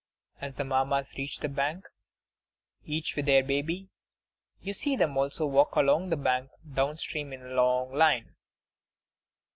As the Mammas reach the bank, each with her baby, you see them also walk along the bank down stream in a long line.